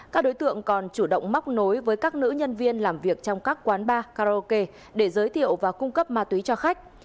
các đối tượng còn chủ động móc nối với các nữ nhân viên làm việc trong các quán bar karaoke để giới thiệu và cung cấp ma túy cho khách